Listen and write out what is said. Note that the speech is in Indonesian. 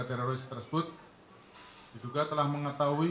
saya ucapkan terima kasih